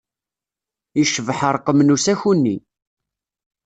Yecbeḥ ṛṛqem n usaku-nni.